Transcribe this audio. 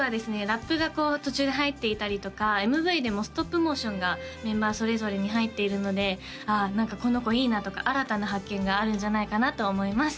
ラップが途中で入っていたりとかＭＶでもストップモーションがメンバーそれぞれに入っているのでああ何かこの子いいなとか新たな発見があるんじゃないかなと思います